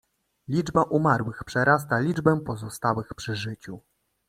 "Liczba umarłych przerasta liczbę pozostałych przy życiu."